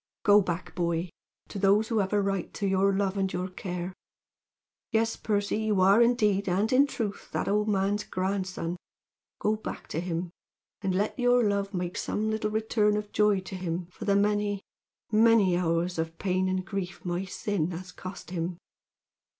"Go back, boy, to those who have a right to your love and your care. Yes, Percy, you are indeed and in truth that old man's grandson. Go back to him, and let your love make some little return of joy to him for the many, many hours of pain and grief my sin has cost him."